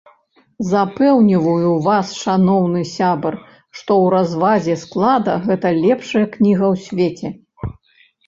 Запэўніваю вас, шаноўны сябар, што ў развазе склада гэта лепшая кніга ў свеце.